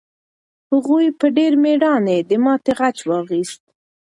هغوی په ډېر مېړانه د ماتې غچ واخیست.